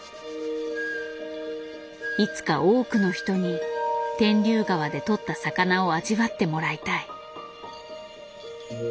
いつか多くの人に天竜川で取った魚を味わってもらいたい。